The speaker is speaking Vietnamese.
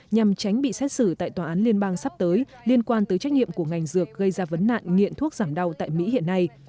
nhằm tránh bị xét xử tại tòa án liên bang sắp tới liên quan tới trách nhiệm của ngành dược gây ra vấn nạn nghiện thuốc giảm đau tại mỹ hiện nay